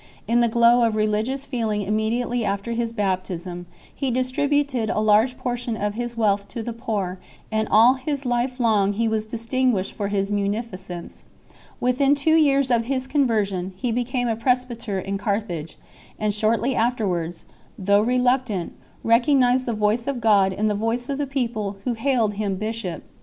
In the glow of religious feeling immediately ( after his baptism he distributed a large portion of his | wealth to the poor 4 , and all his life long he was dig tin guished for his munificence 5 ., Within two years from his conversion he became a presbyter in Carthage, and shortly afterwards, though reluctant, recognized the voice of God in the voice of the people who hailed him bishop 6